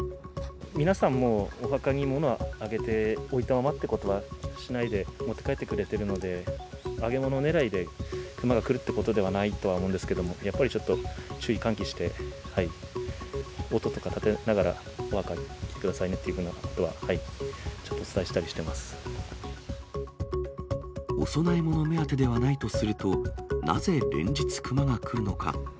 皆さんもお墓にものをあげて置いたままっていうことはしないで、持って帰ってくれてるので、あげもの狙いでクマが来るっていうことではないと思うんですけど、やっぱりちょっと注意喚起して、音とか立てながらお墓に来てくださいねっていうことは、ちょっとお供え物目当てではないとすると、なぜ連日クマが来るのか。